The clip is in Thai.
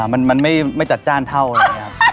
มันไม่จัดจ้านเท่านะครับ